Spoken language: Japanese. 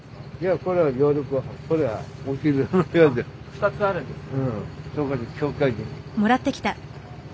２つあるんですね。